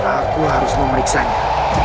aku harus memeriksanya